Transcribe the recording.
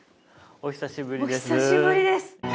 お久しぶりです。